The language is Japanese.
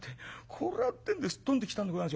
これはってんですっ飛んできたんでござんすよ。